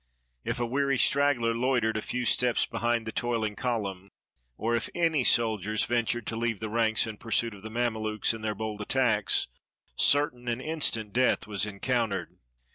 If a weary straggler loitered a few steps behind the toiling column, or if any soldiers ven tured to leave the ranks in pursuit of the Mamelukes in their bold attacks, certain and instant death was encoun tered.